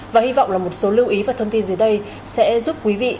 và hy vọng là một số lưu ý và thông tin dưới đây sẽ giúp quý vị